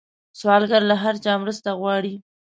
سوالګر له هر چا مرسته غواړي